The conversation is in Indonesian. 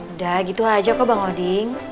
udah gitu aja kok bang oding